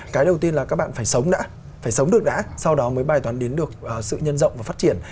cái đầu tiên là các bạn phải sống đã phải sống được đã sau đó mới bài toán đến được sự nhân rộng và phát triển